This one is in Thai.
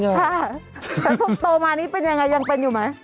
จริงแล้วตัวโตมานี้เป็นอย่างไรยังเป็นอยู่ไหม